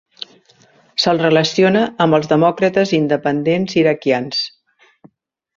Se'l relaciona amb els demòcrates independents iraquians.